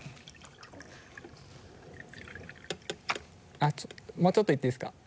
あっもうちょっといっていいですか？